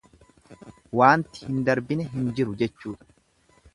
Waanti hin darbine hin jiru jechuudha.